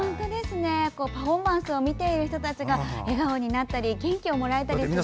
パフォーマンスを見ている人たちが笑顔になったり元気をもらえたりするって。